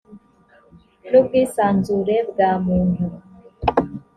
n ubwisanzure bwa muntu